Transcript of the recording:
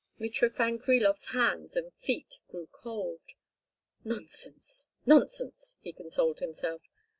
Mitrofan Krilov"s hands and feet grew cold. "Nonsense! Nonsense!" he consoled himself.